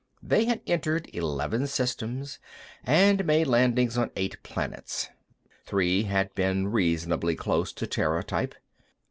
They had entered eleven systems, and made landings on eight planets. Three had been reasonably close to Terra type.